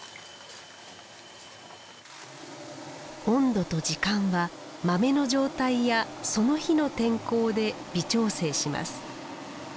温度と時間は豆の状態やその日の天候で微調整します。